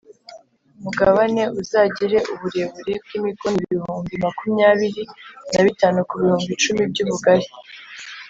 mugabane uzagire uburebure bw imikono ibihumbi makumyabiri na bitanu ku bihumbi icumi by ubugari